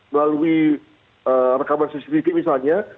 melalui rekaman cctv misalnya